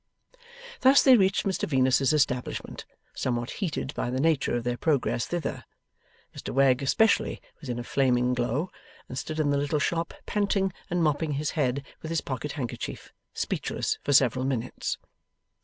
Thus they reached Mr Venus's establishment, somewhat heated by the nature of their progress thither. Mr Wegg, especially, was in a flaming glow, and stood in the little shop, panting and mopping his head with his pocket handkerchief, speechless for several minutes.